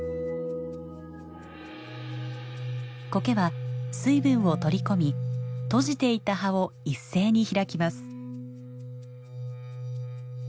コケは水分を取り込み閉じていた葉を一斉に開きます。